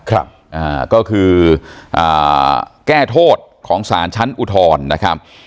ครับก็คือแก้โทษของศาลชั้นอุทรนะครับ